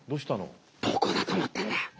ここどこだと思ってんだ。